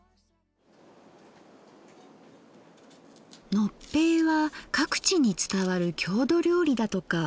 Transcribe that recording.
のっぺいは各地に伝わる郷土料理だとか。